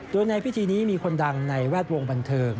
โดยในพิธีนี้มีคนดังในแวดวงบันเทิง